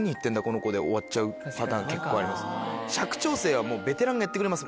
で終わっちゃうパターン結構あります。